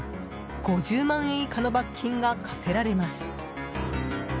５０万円以下の罰金が科せられます。